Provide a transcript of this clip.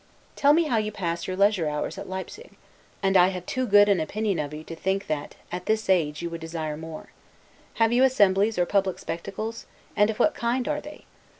Tell me how you pass your leisure hours at Leipsig; I know you have not many; and I have too good an opinion of you to think, that, at this age, you would desire more. Have you assemblies, or public spectacles? and of what kind are they?